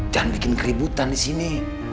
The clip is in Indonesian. jangan bikin keributan disini